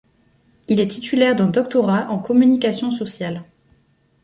Il est titulaire d'un doctorat en communication sociale.